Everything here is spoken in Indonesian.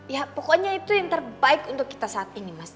ya pokoknya itu yang terbaik untuk kita saat ini mas